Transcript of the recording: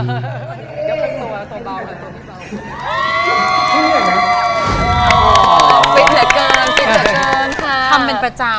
ตัวเบาหน่อยจ้ะ